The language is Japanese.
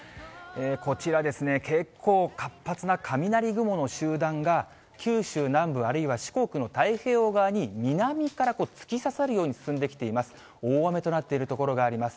こちらですね、結構活発な雷雲の集団が九州南部、あるいは四国の太平洋側に南から突き刺さるように進んできています。大雨となっている所があります。